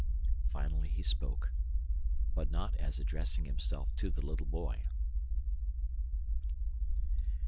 Finally he spoke, but not as addressing himself to the little boy.